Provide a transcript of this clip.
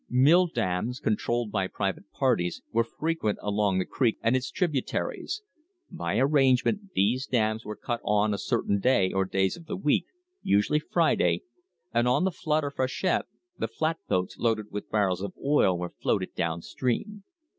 Mill dams, controlled by private parties, were frequent along the creek and its tributaries. By arrangement these dams were cut on a certain day or days of the week, usually Friday, and on the flood or freshet the flatboats loaded with barrels of oil were floated down stream.